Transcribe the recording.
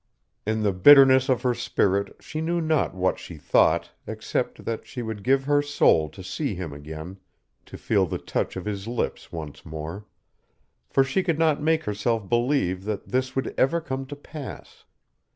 In the bitterness of her spirit she knew not what she thought except that she would give her soul to see him again, to feel the touch of his lips once more. For she could not make herself believe that this would ever come to pass.